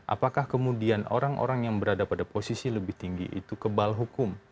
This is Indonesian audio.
apakah kemudian orang orang yang berada pada posisi lebih tinggi itu kebal hukum